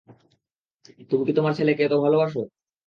তুমি কি তোমার ছেলেকে এত ভালোবাসো?